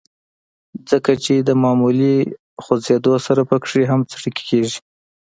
ځکه چې د معمولي خوزېدو سره پکښې هم څړيکې کيږي